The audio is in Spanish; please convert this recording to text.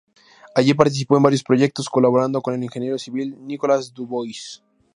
Allí participó en varios proyectos, colaborando con el ingeniero civil Nicholas Dubois.